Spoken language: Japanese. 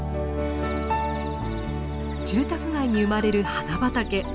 住宅街に生まれる花畑。